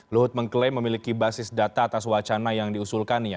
luhut mengklaim memiliki basis data atas wacana yang diusulkannya